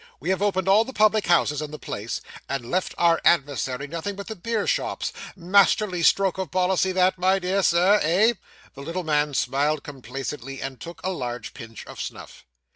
We have opened all the public houses in the place, and left our adversary nothing but the beer shops masterly stroke of policy that, my dear Sir, eh?' The little man smiled complacently, and took a large pinch of snuff.